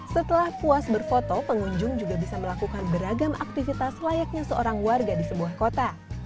setelah puas berfoto pengunjung juga bisa melakukan beragam aktivitas layaknya seorang warga di sebuah kota